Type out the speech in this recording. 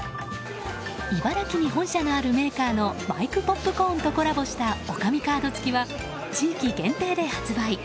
茨城に本社のあるメーカーのマイクポップコーンとコラボした女将カード付きは地域限定で発売。